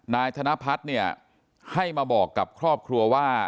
นายธนพัฒน์เนี่ยให้มาบอกกับครอบครัวว่า